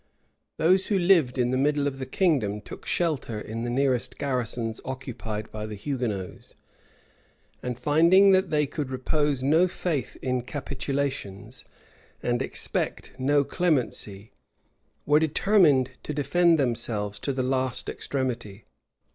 Those who lived in the middle of the kingdom took shelter in the nearest garrisons occupied by the Hugonots; and finding that they could repose no faith in capitulations, and expect no clemency, were determined to defend themselves to the last extremity.